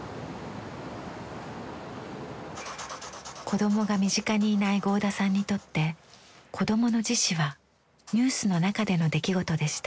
子供が身近にいない合田さんにとって子供の自死はニュースの中での出来事でした。